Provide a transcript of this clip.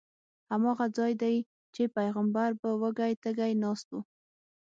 هماغه ځای دی چې پیغمبر به وږی تږی ناست و.